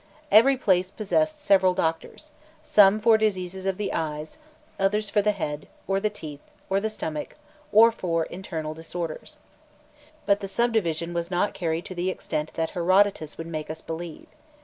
Every place possessed several doctors; some for diseases of the eyes, others for the head, or the teeth, or the stomach, or for internal diseases." But the subdivision was not carried to the extent that Herodotus would make us believe.